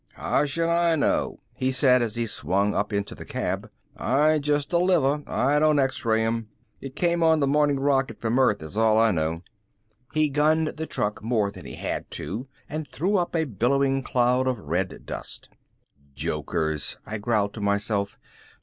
"How should I know?" he said as he swung up into the cab. "I just deliver, I don't X ray 'em. It came on the morning rocket from earth is all I know." He gunned the truck more than he had to and threw up a billowing cloud of red dust. "Jokers," I growled to myself.